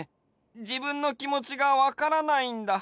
じぶんのきもちがわからないんだ。